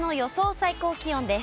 最高気温です。